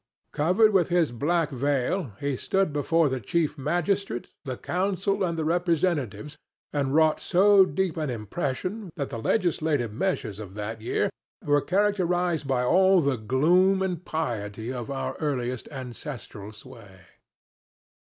Covered with his black veil, he stood before the chief magistrate, the council and the representatives, and wrought so deep an impression that the legislative measures of that year were characterized by all the gloom and piety of our earliest ancestral sway.